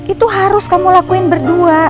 itu harus kamu lakuin berdua